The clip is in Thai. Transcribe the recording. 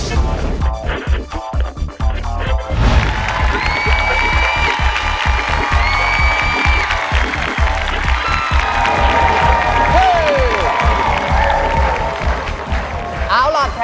วันนี้ต้องไปรับตรงเกี่ยวกับทุกคน